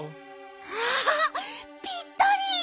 わあぴったり！